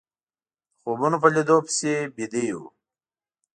د خوبونو په ليدو پسې ويده يو